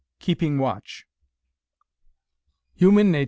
KEEPING WATCH Human natur'!"